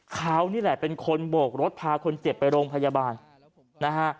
เขานี่แหละเป็นคนโบกรถพาคนเจ็บไปโรงพยาบาลนะฮะ